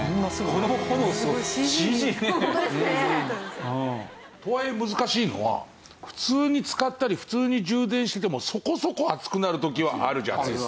この炎すごい。とはいえ難しいのは普通に使ったり普通に充電していてもそこそこ熱くなる時はあるじゃないですか。